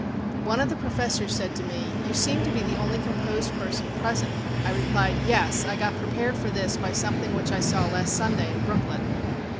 One of the professors said to me, "You seem to be the only composed person present." I replied, "Yes, I got prepared for this by something which I saw last Sunday in Brooklyn."